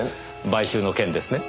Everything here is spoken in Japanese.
買収の件ですね？